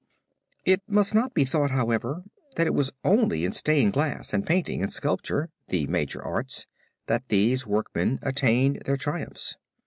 It must not be thought, however, that it was only in stained glass and painting and sculpture the major arts that these workmen attained their triumphs.